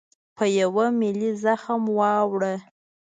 په یوه ملي زخم واړاوه.